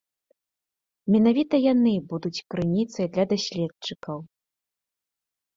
Менавіта яны будуць крыніцай для даследчыкаў.